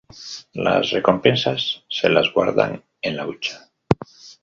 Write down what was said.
Las recompensas se las guardan en la hucha.